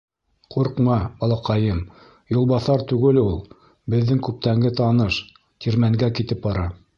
— Ҡурҡма, балаҡайым, юлбаҫар түгел ул, беҙҙең күптәнге таныш, тирмәнгә китеп бара.